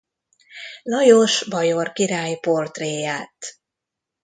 Lajos bajor király portréját.